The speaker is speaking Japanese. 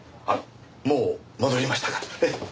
もう戻りましたから。